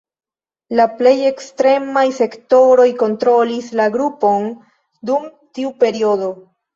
La plej ekstremaj sektoroj kontrolis la grupon dum tiu periodo.